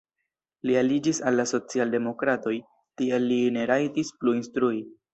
Li aliĝis al la socialdemokratoj, tial li ne rajtis plu instrui.